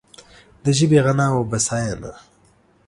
د ژبې غنا او بسیاینه